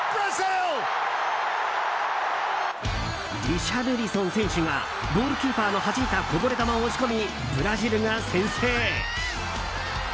リシャルリソン選手がゴールキーパーのはじいたこぼれ球を押し込みブラジルが先制。